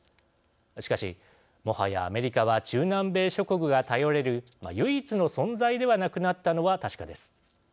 しかし、もはやアメリカは中南米諸国が頼れる唯一の存在ではなくなったのは確かです。